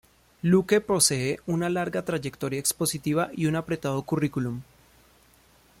Luque posee una larga trayectoria expositiva y un apretado currículum.